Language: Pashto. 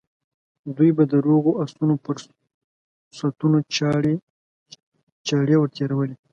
دوی به د روغو آسونو پر ستونو چاړې ور تېرولې.